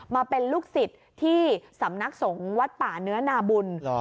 มาเป็นลูกศิษย์ที่สำนักสงฆ์วัดป่าเนื้อนาบุญ